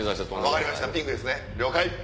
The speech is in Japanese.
分かりましたピンクですね了解。